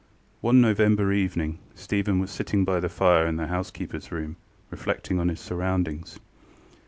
One November evening Stephen was sitting by the fire in the housekeeperŌĆÖs room reflecting on his surroundings.